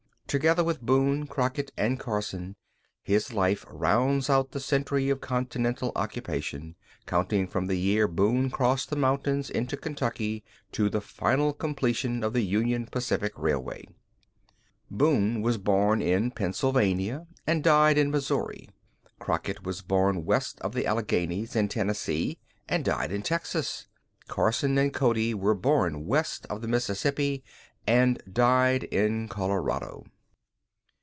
Together with Boone, Crockett, and Carson his life rounds out the century of continental occupation, counting from the year Boone crossed the mountains into Kentucky to the final completion of the Union Pacific Railway. Boone was born in Pennsylvania and died in Missouri; Crockett was born west of the Alleghanies, in Tennessee, and died in Texas; Carson and Cody were born west of the Mississippi, and died in Colorado.